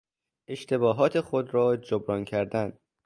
اشتباهات خود را جبران کردن